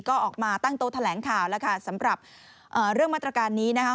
ก็ออกมาตั้งโต๊ะแถลงข่าวแล้วค่ะสำหรับเรื่องมาตรการนี้นะคะ